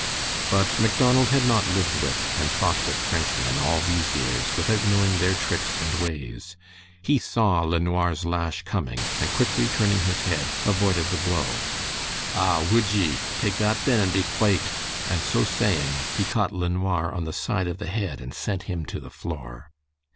But Macdonald had not lived with and fought with Frenchmen all these years without knowing their tricks and ways. He saw LeNoir's 'lash' coming, and quickly turning his head, avoided the blow. "Ah! would ye? Take that, then, and be quate!" and so saying, he caught LeNoir on the side of the head and sent him to the floor.